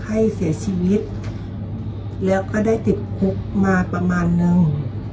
ให้เสียชีวิตแล้วก็ได้ติดคุกมาประมาณนึง